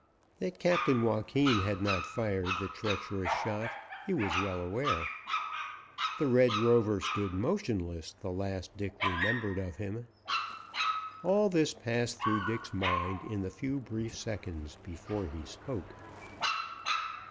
That Captain Joaquin had not fired the treacherous shot he was well aware. The Red Rover stood motionless the last Dick remembered of him. All this passed through Dick's mind in the few brief seconds before he spoke.